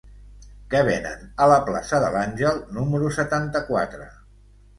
Què venen a la plaça de l'Àngel número setanta-quatre?